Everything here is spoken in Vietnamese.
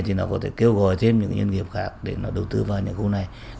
thì nó có thể kêu gọi thêm những nhân dân nghiệp khác để đầu tư vào những khu này